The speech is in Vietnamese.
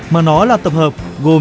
mà nó là tập hợp gồm